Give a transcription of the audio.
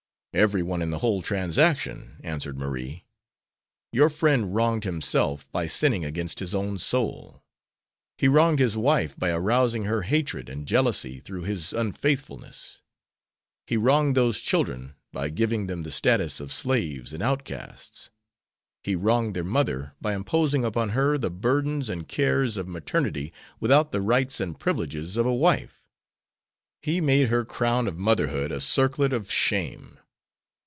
"Every one in the whole transaction," answered Marie. "Your friend wronged himself by sinning against his own soul. He wronged his wife by arousing her hatred and jealousy through his unfaithfulness. He wronged those children by giving them the status of slaves and outcasts. He wronged their mother by imposing upon her the burdens and cares of maternity without the rights and privileges of a wife. He made her crown of motherhood a circlet of shame.